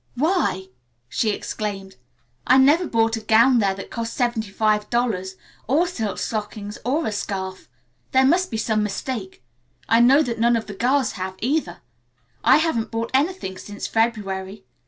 "Why!" she exclaimed. "I never bought a gown there that cost seventy five dollars, or silk stockings or a scarf. There must be some mistake. I know that none of the girls have either. I haven't bought anything since February.